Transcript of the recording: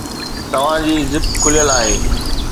توهان جي زپ کليل آهي